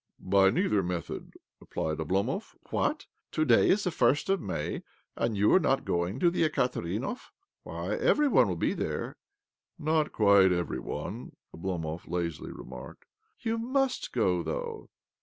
"" By neither method," replied Oblomov. " What ? To day is the first of May, and you are not going to the Ekaterinhov? Why, every one will be there 1 "" Not quite every one," Oblomov lazily remarked. "You must go, though.